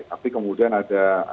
tapi kemudian ada yang berpikir pikir